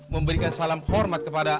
memberikan salam hormat kepada